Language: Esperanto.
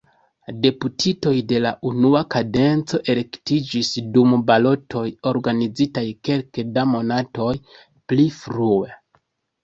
Deputitoj de la unua kadenco elektiĝis dum balotoj organizitaj kelke da monatoj pli frue.